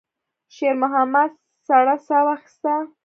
شېرمحمد سړه ساه واخيسته.